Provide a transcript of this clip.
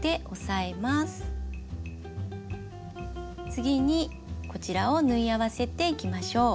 次にこちらを縫い合わせていきましょう。